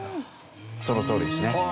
そのとおりですね。